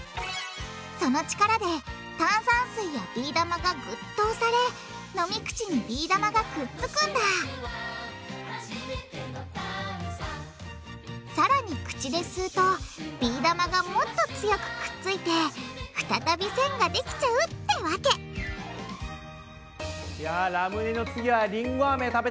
その力で炭酸水やビー玉がグッと押され飲み口にビー玉がくっつくんださらに口で吸うとビー玉がもっと強くくっついて再びせんができちゃうってわけいやラムネの次はりんごアメ食べたいな。